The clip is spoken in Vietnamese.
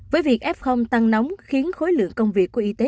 với việc f tăng nóng khiến khối lượng công việc của y tế